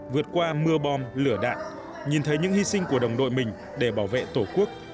vượt qua mưa bom lửa đạn nhìn thấy những hy sinh của đồng đội mình để bảo vệ tổ quốc